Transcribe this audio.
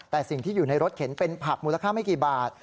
แต่สิ่งที่อยู่ในรถเข็นเป็นผักมูลค่าไม่กี่บาท